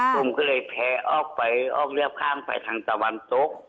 ผมก็เลยแพ้ออกไปอ้อมเรียบข้างไปทางตะวันตก